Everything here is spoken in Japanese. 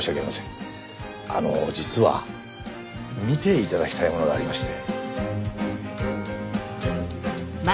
あの実は見て頂きたいものがありまして。